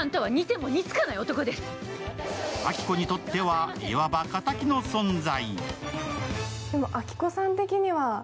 亜希子にとっては、いわば敵の存在。